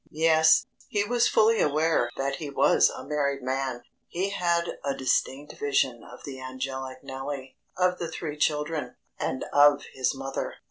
Yes, he was fully aware that he was a married man. He had a distinct vision of the angelic Nellie, of the three children, and of his mother.